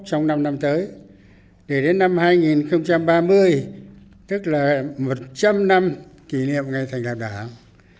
trong năm năm tới để đến năm hai nghìn ba mươi tức là một trăm linh năm kỷ niệm ngày thành lập đảng